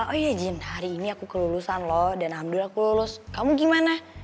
oh iya jin hari ini aku kelulusan loh dan alhamdulillah aku lulus kamu gimana